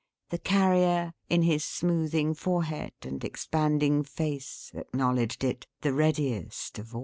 The Carrier, in his smoothing forehead and expanding face, acknowledged it, the readiest of all.